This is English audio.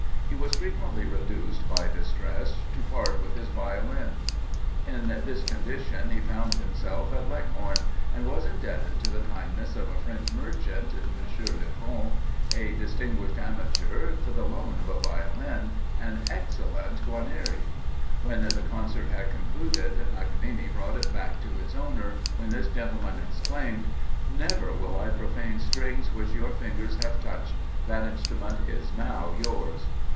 He was frequently reduced, by distress, to part with his Violin. In this condition he found himself at Leghorn, and was indebted to the kindness of a French merchant, (M. Livron), a distinguished amateur, for the loan of a Violin, an excellent Guarnieri. When the concert had concluded, Paganini brought it back to its owner, when this gentleman exclaimed, "Never will I profane strings which your fingers have touched; that instrument is now yours."